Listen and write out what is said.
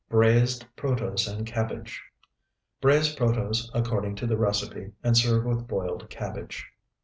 BRAIZED PROTOSE AND CABBAGE Braize protose according to the recipe, and serve with boiled cabbage.